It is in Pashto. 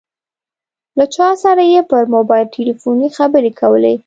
له چا سره یې پر موبایل ټیلیفون خبرې کولې.